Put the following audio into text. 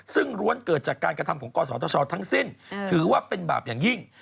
ซึ่งล้วนเกิดจากการกระทำของกศธชทั้งสิ้นถือว่าเป็นบาปอย่างยิ่ง